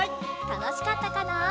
たのしかったかな？